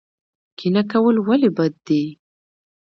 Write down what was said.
کینه کول ولې بد دي؟